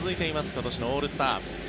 今年のオールスター。